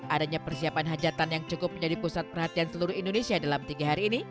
adanya persiapan hajatan yang cukup menjadi pusat perhatian seluruh indonesia dalam tiga hari ini